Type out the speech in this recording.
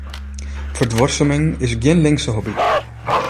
Ferduorsuming is gjin linkse hobby.